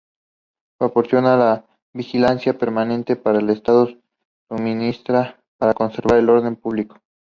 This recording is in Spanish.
Proporciona la vigilancia permanente que el estado suministra para conservar el orden público.